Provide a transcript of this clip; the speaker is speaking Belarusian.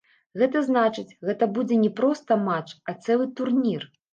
Гэта значыць, гэта будзе не проста матч, а цэлы турнір.